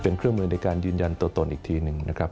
เป็นเครื่องมือในการยืนยันตัวตนอีกทีหนึ่งนะครับ